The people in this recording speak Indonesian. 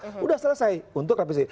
sudah selesai untuk reprisi